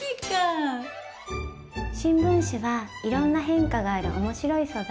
新聞紙はいろんな変化がある面白い素材。